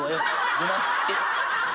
ごますって。